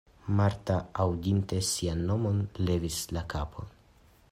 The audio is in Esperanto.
Marta, aŭdinte sian nomon, levis la kapon.